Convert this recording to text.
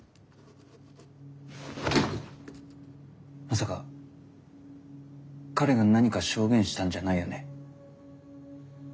まさか彼が何か証言したんじゃないよね？